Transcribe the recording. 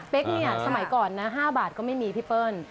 เนี่ยสมัยก่อนนะ๕บาทก็ไม่มีพี่เปิ้ล